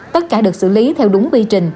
tất cả được xử lý theo đúng bi trình